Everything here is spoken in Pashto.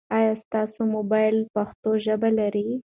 آیا ستاسو موبایلونه پښتو ژبه لري؟